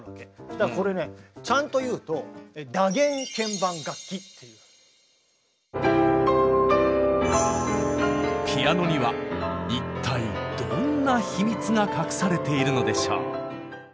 だからこれねちゃんと言うとピアノには一体どんなヒミツが隠されているのでしょう？